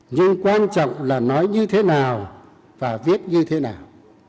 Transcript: nhưng quan trọng là nói như thế nào và viết như thế nào